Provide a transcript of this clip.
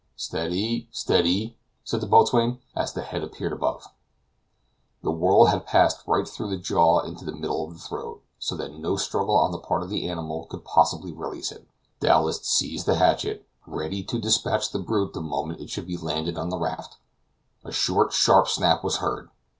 "Steady! steady!" said the boatswain, as the head appeared above The whirl had passed right through the jaw into the middle of the throat, so that no struggle on the part of the animal could possibly release it. Dowlas seized the hatchet, ready to dispatch the brute the moment it should be landed on the raft. A short sharp snap was heard.